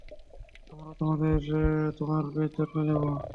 আমরা তোমার বেশ যত্ন নেব।